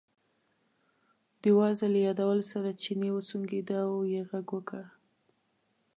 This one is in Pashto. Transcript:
د وازدې له یادولو سره چیني وسونګېده او یې غږ وکړ.